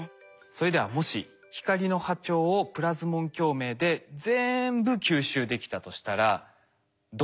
それではもし光の波長をプラズモン共鳴でぜんぶ吸収できたとしたらどうなっちゃうでしょうか？